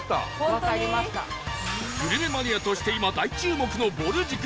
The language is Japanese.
グルメマニアとして今大注目のぼる塾田辺